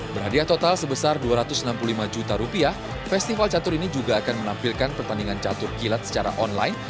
berhadiah total sebesar dua ratus enam puluh lima juta rupiah festival catur ini juga akan menampilkan pertandingan catur kilat secara online